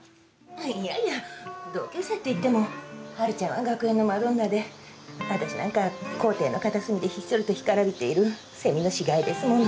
いやいや同級生といっても春ちゃんは、学園のマドンナでわたすなんか、校庭で片隅でひっそりと干からびているセミの死骸ですもの。